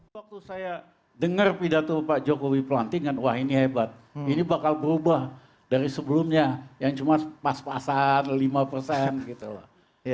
waktu saya dengar pidato pak jokowi pelantikan wah ini hebat ini bakal berubah dari sebelumnya yang cuma pas pasan lima persen gitu loh